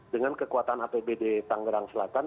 dengan kekuatan apbd tangerang selatan